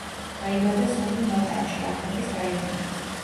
დაიბადა სოფელ მატანში, ახმეტის რაიონი.